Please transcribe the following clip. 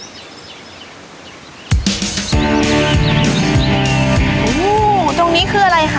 โอ้โหตรงนี้คืออะไรคะ